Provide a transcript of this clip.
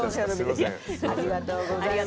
ありがとうございます。